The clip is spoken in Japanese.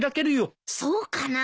そうかな。